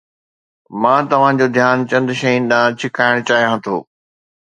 مان توهان جو ڌيان چند شين ڏانهن ڇڪائڻ چاهيان ٿو.